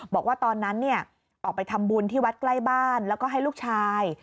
บอกว่าตอนนั้นออกไปทำบุญที่วัดใกล้บ้านแล้วก็ให้ลูกชาย